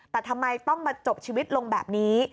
แต่ทำไมต้องมาจบชีวิตลงแบบนี้